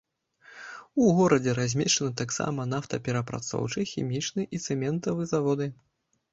У горадзе размешчаны таксама нафтаперапрацоўчы, хімічны і цэментавы заводы.